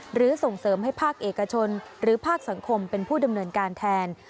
ส่งเสริมให้ภาคเอกชนหรือภาคสังคมเป็นผู้ดำเนินการแทน